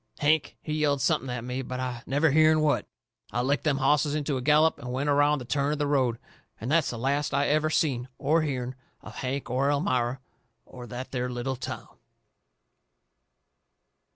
Hank, he yelled something at me, but I never hearn what. I licked them hosses into a gallop and went around the turn of the road. And that's the last I ever seen or hearn of Hank or Elmira or that there little town.